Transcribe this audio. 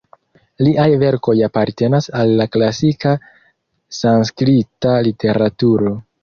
Liaj verkoj apartenas al la klasika sanskrita literaturo.